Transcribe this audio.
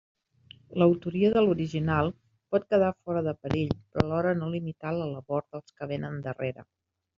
L'autoria de l'original pot quedar fora de perill però alhora no limitar la labor dels que vénen darrere.